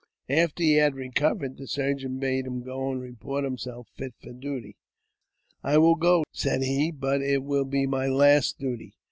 After he had recovered, the surgeon bade him go and report himself fit for duty. " I will go," said he, " but it will be my last duty."